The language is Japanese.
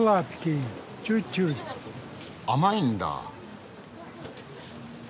甘いんだ。